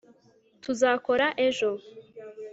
tuzakora ejo